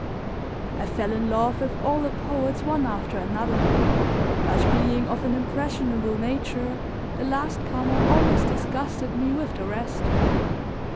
I fell in love with all the poets one after another; but being of an impressionable nature the last comer always disgusted me with the rest.